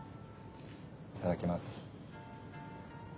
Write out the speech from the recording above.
いただきます。